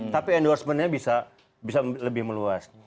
tapi endorsement nya bisa lebih meluas